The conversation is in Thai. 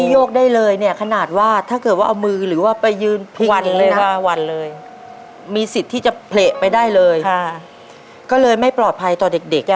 โยกได้เลยเนี่ยขนาดว่าถ้าเกิดว่าเอามือหรือว่าไปยืนทุกวันเลยนะ๕วันเลยมีสิทธิ์ที่จะเละไปได้เลยก็เลยไม่ปลอดภัยต่อเด็กเด็กอ่ะ